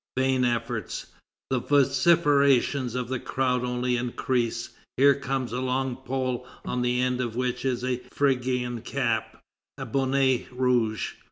Vain efforts. The vociferations of the crowd only increase. Here comes a long pole on the end of which is a Phrygian cap, a bonnet rouge.